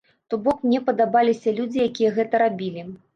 То бок мне падабаліся людзі, якія гэта рабілі.